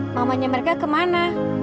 mamanya mereka kemana